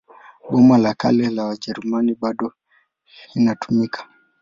Boma la Kale la Wajerumani bado inatumika.